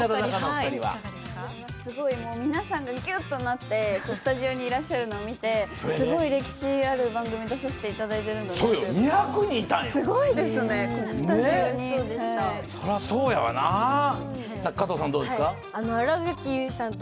皆さんがぎゅっとなってスタジオにいらっしゃるのを見てすごい歴史ある番組に出させていただいてるんだなと。